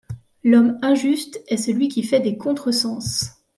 L’homme injuste est celui qui fait des contre-sens.